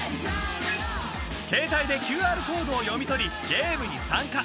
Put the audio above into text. ［携帯でＱＲコードを読み取りゲームに参加］